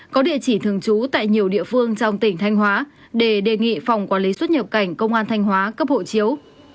có địa chỉ thường trú tại nhiều địa phương trong tỉnh thanh hóa để đề nghị phòng quản lý xuất nhập cảnh công an thanh hóa cấp hộ chiếu